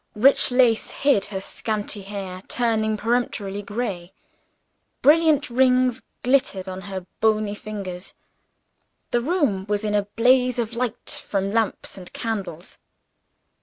Rich lace hid h er scanty hair, turning prematurely gray; brilliant rings glittered on her bony fingers. The room was in a blaze of light from lamps and candles.